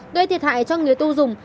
gây thiệt hại cho người tu dùng